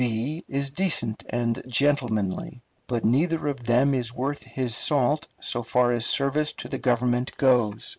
is decent and gentlemanly, but neither of them is worth his salt so far as service to the Government goes.